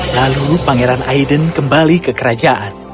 lalu pangeran aiden kembali ke kerajaan